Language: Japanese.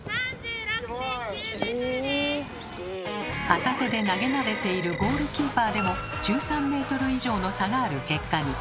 片手で投げ慣れているゴールキーパーでも１３ｍ以上の差がある結果に。